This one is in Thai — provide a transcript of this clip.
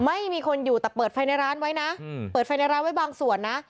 ไม่มีคนอยู่แต่เปิดไฟในร้านไว้นะเปิดไฟในร้านไว้บางส่วนนะ